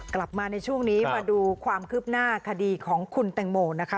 กลับมาในช่วงนี้มาดูความคืบหน้าคดีของคุณแตงโมนะคะ